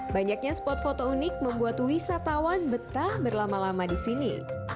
banyaknya spot foto unik membuat wisatawan betah berlama lama di sini